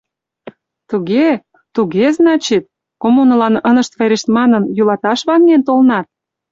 Туге, тугеЗначит, коммунылан ынышт верешт манын, йӱлаташ ваҥен толынат?